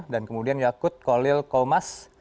dan kemudian yakut kolil komas